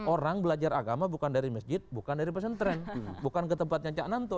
orang belajar agama bukan dari masjid bukan dari pesantren bukan ke tempatnya cak nanto